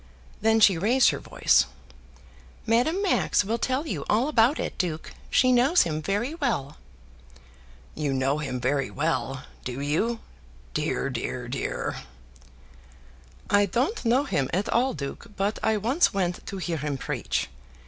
Then she raised her voice. "Madame Max will tell you all about it, duke. She knows him very well." "You know him very well; do you? Dear, dear, dear!" "I don't know him at all, duke, but I once went to hear him preach.